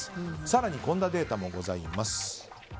更に、こんなデータもございます。